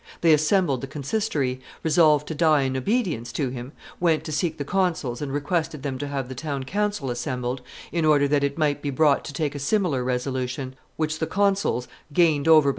They assembled the consistory, resolved to die in obedience to him, went to seek the consuls and requested them to have the town council assembled, in order that it might be brought to take a similar resolution; which the consuls, gained over by M.